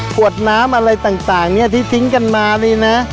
ขวดน้ำอะไรต่างเนี่ยที่ทิ้งกันมานี่นะ